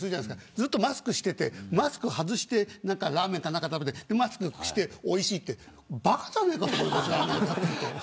ずっとマスクしててマスク外してラーメン食べてマスクして、おいしいってばかじゃないかと思いますよね。